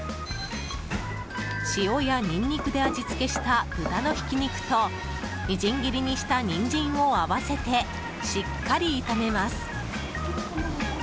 塩やニンニクで味付けした豚のひき肉とみじん切りにしたニンジンを合わせて、しっかり炒めます。